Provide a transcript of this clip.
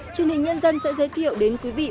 truyền hình nhân dân sẽ giới thiệu đến quý vị